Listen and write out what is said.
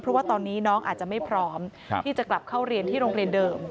เพราะว่าตอนนี้น้องอาจจะไม่พร้อมที่จะกลับเข้าเรียนที่โรงเรียนเดิม